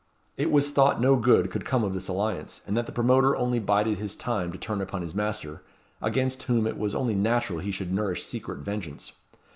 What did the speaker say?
It was thought no good could come of this alliance, and that the promoter only bided his time to turn upon his master, against whom it was only natural he should nourish secret vengeance.